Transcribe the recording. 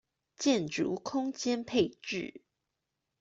建築空間配置